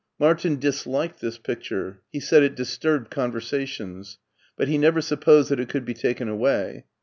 Martin dis liked this picture; he said it disturbed conversations, but he never supposed that it could be takeaaway.